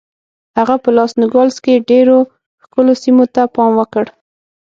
هغه په لاس نوګالس کې ډېرو ښکلو سیمو ته پام وکړ.